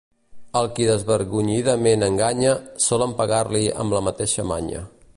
Al qui desvergonyidament enganya, solen pagar-li amb la mateixa manya.